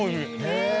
へえ！